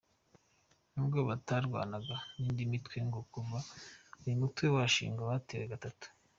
Nubwo batarwanaga n’indi mitwe, ngo kuva uyu mutwe washingwa batewe gatatu.